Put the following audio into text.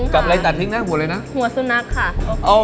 กับหัวสุนัขนะ